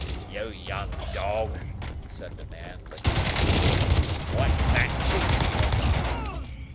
"You young dog," said the man, licking his lips, "what fat cheeks you ha' got."